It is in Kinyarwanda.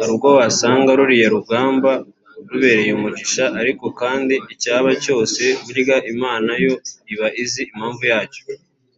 Hari abo wasanga ruriya rugamba rubereye umugisha ariko kandi icyaba cyose burya Imana yo iba izi impamvu yacyo